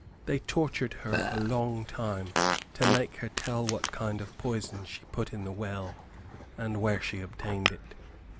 They tortured her a long time to make her tell what kind of poison she put in the well, and where she obtained it.